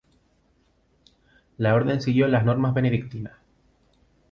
La orden siguió las normas benedictinas.